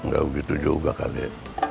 gak begitu juga kali